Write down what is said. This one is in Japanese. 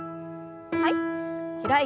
はい。